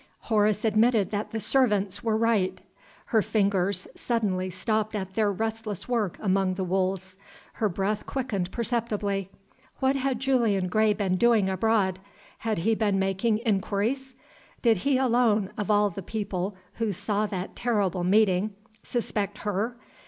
Horace admitted that the servants were right. Her fingers, suddenly stopped at their restless work among the wools; her breath quickened perceptibly. What had Julian Gray been doing abroad? Had he been making inquiries? Did he alone, of all the people who saw that terrible meeting, suspect her?